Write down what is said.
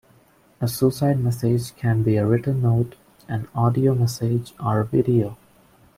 A suicide message can be a written note, an audio message, or a video.